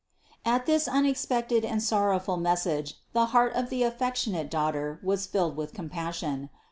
718. At this unexpected and sorrowful message the heart of the affectionate Daughter was filled with com passion.